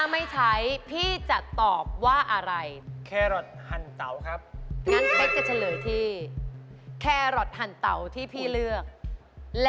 ไม่ใช้คือช่วยตัวเองมันตลอดเลย